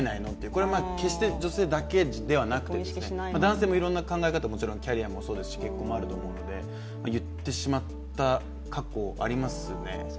これは決して女性だけではなくて、男性もいろんな考え方、もちろんキャリアも結婚もあるので言ってしまった過去ありますね。